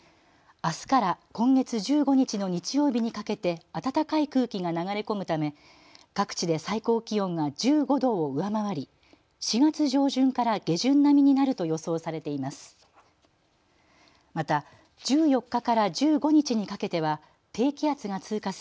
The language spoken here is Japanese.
あすから今月１５日の日曜日にかけて暖かい空気が流れ込むため各地で最高気温が１５度を上回り４月上旬から下旬並みになると予想されています。